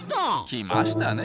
来ましたね